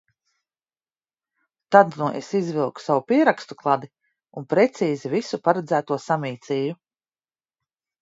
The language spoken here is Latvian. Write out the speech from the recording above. Tad nu es izvilku savu pierakstu kladi un precīzi visu paredzēto samīcīju.